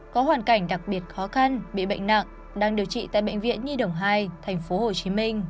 có hoàn cảnh đặc biệt khó khăn bị bệnh nặng đang điều trị tại bệnh viện nhi đồng hai tp hcm